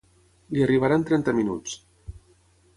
Li arribarà en trenta minuts.